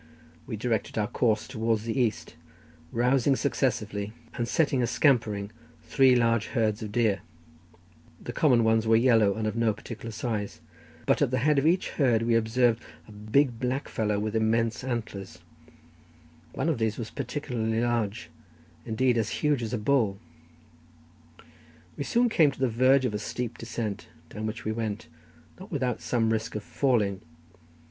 We directed our course towards the east, rousing successively, and setting a scampering, three large herds of deer—the common ones were yellow and of no particular size—but at the head of each herd we observed a big old black fellow with immense antlers; one of these was particularly large, indeed as huge as a bull. We soon came to the verge of a steep descent, down which we went, not without some risk of falling.